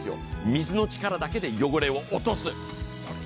水の力だけで汚れを落とす。